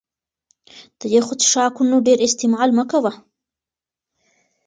د يخو څښاکونو ډېر استعمال مه کوه